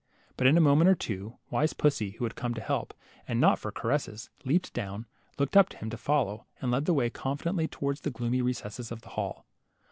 But in a moment or two, wise pussy, who had come to help, and not for caresses, leaped down, looked up for him to follow, and led the way confidently towards the gloomy recesses of the hall.